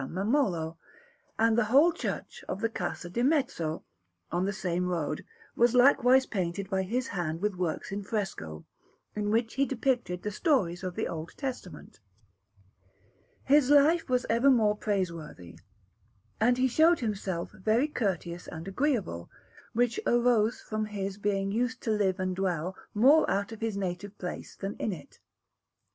Mammolo; and the whole church of the Casa di Mezzo, on the same road, was likewise painted by his hand with works in fresco, in which he depicted the stories of the Old Testament. His life was ever most praiseworthy, and he showed himself very courteous and agreeable; which arose from his being used to live and dwell more out of his native place than in it.